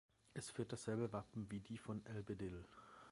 Es führt dasselbe Wappen wie die von "Albedyll".